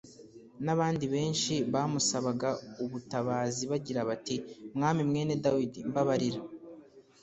n'abandi benshi bamusabaga ubutabazi bagira bati « Mwami mwene Dawidi mbabarira!»